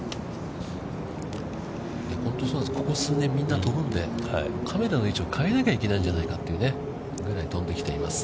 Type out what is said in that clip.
ここ数年みんな飛ぶのでカメラの位置を変えなきゃいけないんじゃないかというね、飛んできています。